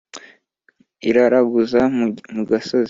iraraguza mu gasozi,